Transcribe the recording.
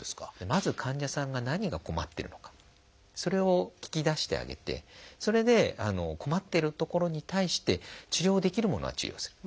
まず患者さんが何が困ってるのかそれを聞き出してあげてそれで困っているところに対して治療できるものは治療する。